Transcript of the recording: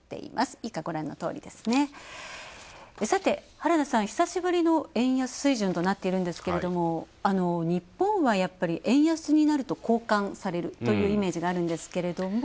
原田さん、久しぶりの円安水準となっているんですけれども、日本はやっぱり円安になると好感されるというイメージがあるんですけれども。